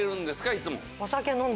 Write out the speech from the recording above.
いつも。